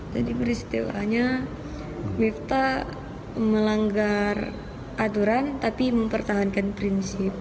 tadi peristiwanya lifta melanggar aturan tapi mempertahankan prinsip